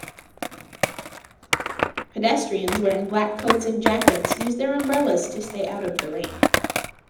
Pedestrians wearing black coats and jackets use their umbrellas to stay out of the rain